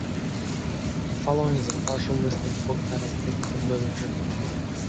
The following is a partial list of book titles taken from literature.